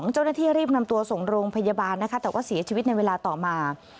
เจ้าหน้าที่รีบนำตัวส่งโรงพยาบาลนะคะแต่ว่าเสียชีวิตในเวลาต่อมา